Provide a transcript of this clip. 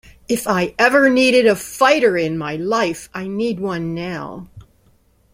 If I ever needed a fighter in my life I need one now.